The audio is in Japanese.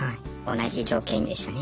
同じ条件でしたね。